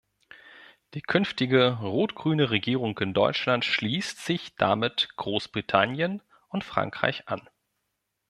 Die künftige rot-grüne Regierung in Deutschland schließt sich damit Großbritannien und Frankreich an.